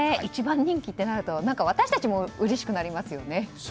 １番人気となると私たちもうれしくなりますね。